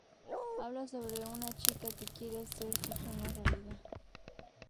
Habla sobre una chica que quiere hacer sus sueños realidad.